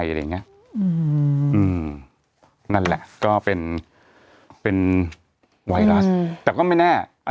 อะไรอย่างเงี้ยอืมอืมนั่นแหละก็เป็นเป็นไวรัสแต่ก็ไม่แน่